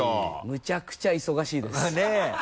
むちゃくちゃ忙しいです。ねぇ！